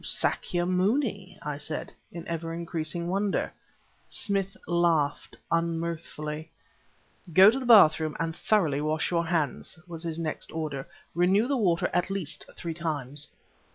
"Sâkya Mûni," I said, in ever increasing wonder. Smith laughed unmirthfully. "Go into the bathroom and thoroughly wash your hands," was his next order. "Renew the water at least three times."